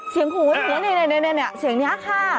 เสียงหูเสียงนี้ค่ะ